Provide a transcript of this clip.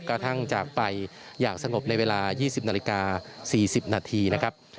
กระทั่งจากไปอย่างสงบในเวลา๒๐นาฬิกา๔๐นาทีนะครับ